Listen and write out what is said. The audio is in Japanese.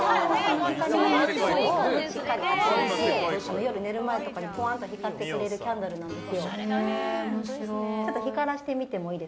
夜寝る前とかにぽわんと光ってくれるキャンドルなんですよ。